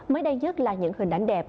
mới đây nhất là những hình ảnh đẹp